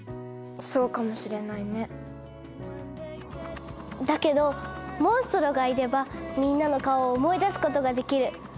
そうかもしれないねだけどモンストロがいればみんなの顔を思い出すことができる。